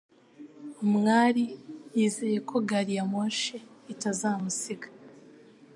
Umwali yizeye ko gari ya moshi itazamusiga.